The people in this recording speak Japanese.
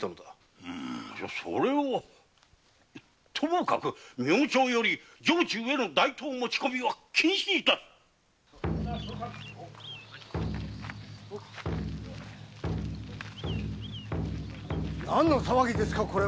それはともかく明朝より城中への大刀の持ち込みは禁止致す何の騒ぎですかこれは？